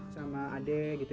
sama adek gitu ya